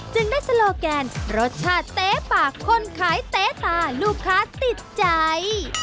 จึงได้สโลแกนรสชาติเต๊ปากคนขายเต๊ะตาลูกค้าติดใจ